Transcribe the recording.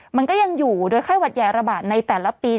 มันก็ยังอยู่โดยไข้หวัดใหญ่ระบาดในแต่ละปี